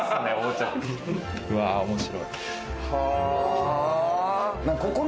うわ面白い。